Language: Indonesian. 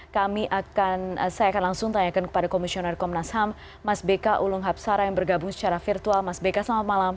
kami akan saya akan langsung tanyakan kepada komisioner komnas ham mas beka ulung hapsara yang bergabung secara virtual mas beka selamat malam